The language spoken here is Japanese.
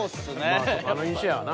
まああの印象やわな。